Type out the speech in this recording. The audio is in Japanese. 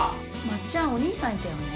まっちゃんお兄さんいたよね？